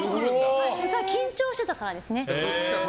緊張してたからですね。